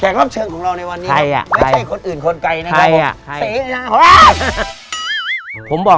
ยังไม่ถึงคิวพี่เออออกไว้ก่อน